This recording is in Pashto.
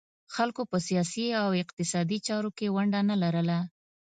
خلکو په سیاسي او اقتصادي چارو کې ونډه نه لرله